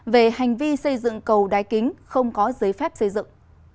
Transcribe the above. về hành vi xây dựng cầu đáy kính không có giấy phép xây dựng